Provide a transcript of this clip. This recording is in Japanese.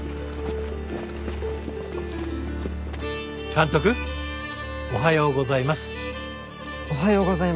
監督おはようございます。